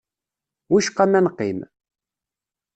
Wicqa ma neqqim?